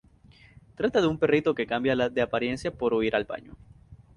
Trata de un perrito que cambia de apariencia por huir al baño.